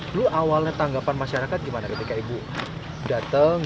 dulu awalnya tanggapan masyarakat gimana ketika ibu datang